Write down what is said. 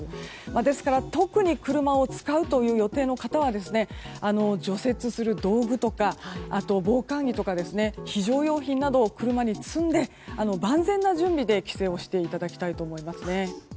ですから特に車を使うという予定の方は除雪する道具とか防寒着とか非常用品などを車に積んで万全な準備で帰省をしていただきたいと思いますね。